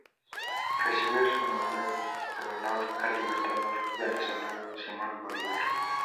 Recibe su nombre en honor al Libertador venezolano Simón Bolívar.